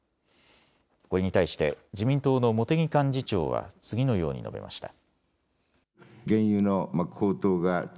これに対して自民党の茂木幹事長は次のように述べました。